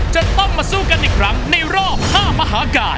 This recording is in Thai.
จะต้องมาสู้กันอีกครั้งในรอบ๕มหากาย